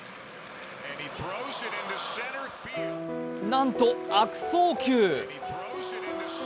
なんと悪送球。